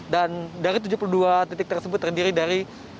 dan dari tujuh puluh dua titik tersebut terdiri dari